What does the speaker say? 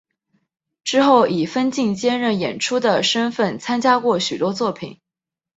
之后以分镜兼任演出的身分参加过许多作品。